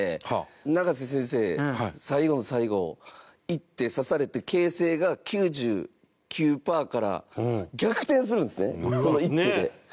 永瀬先生、最後の最後一手、指されて形勢が、９９パーから逆転するんですね、その一手で。